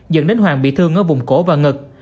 dẫn đến hoàng bị thương ở vùng cổ và ngực